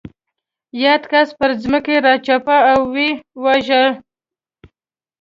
یاد کس پر ځمکه راچپه او ویې واژه.